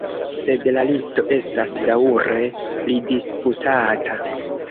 Sed la listo estas daŭre pridisputata.